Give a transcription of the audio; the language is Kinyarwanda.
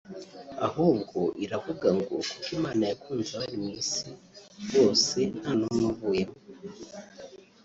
ahubwo iravuga ngo"kuko Imana yakunze abari mwisi bose nta n'umwe uvuyemo